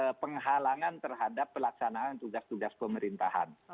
dan itu melakukan penghalangan terhadap pelaksanaan tugas tugas pemerintahan